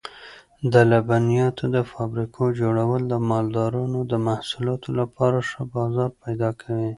د لبنیاتو د فابریکو جوړول د مالدارانو د محصولاتو لپاره ښه بازار پیدا کوي.